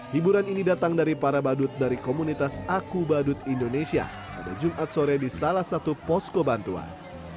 hiburan ini datang dari para badut dari komunitas aku badut indonesia pada jumat sore di salah satu posko bantuan